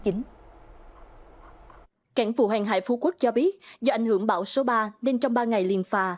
cảnh vụ hoàn hại phú quốc cho biết do ảnh hưởng bão số ba nên trong ba ngày liền phà